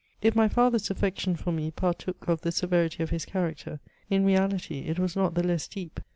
If my father's affection for me partook of the severity of his character, in reality it was not the less deep.